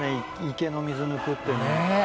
池の水抜くってね。